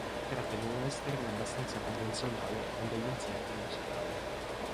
Si tratta di un western abbastanza convenzionale con degli inserti musicali.